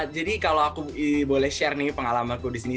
jadi kalau aku boleh share nih pengalaman aku di sini